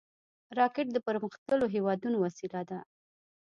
راکټ د پرمختللو هېوادونو وسیله ده